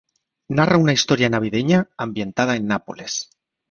Narra una historia navideña ambientada en Nápoles.